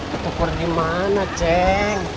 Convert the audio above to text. ke tuker dimana ceng